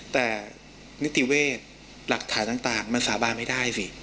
แต่นิติเวชหลักฐานต่างมันสาบานไม่ได้สิ